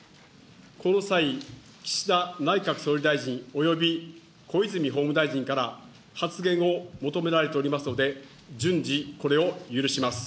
この際、岸田内閣総理大臣および小泉法務大臣から発言を求められておりますので、順次、これを許します。